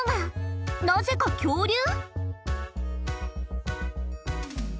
なぜか恐竜？